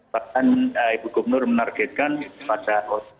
bahkan ibu gubernur menargetkan pada